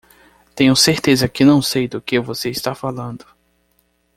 Tenho certeza que não sei do que você está falando!